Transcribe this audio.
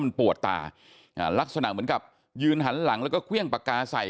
มันปวดตาอ่าลักษณะเหมือนกับยืนหันหลังแล้วก็เครื่องปากกาใส่